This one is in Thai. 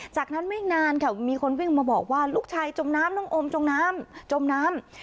จากนั้นไม่นานค่ะมีคนวิ่งมาบอกว่าลูกชายจมน้ำน้องอมจมน้ำจมน้ำ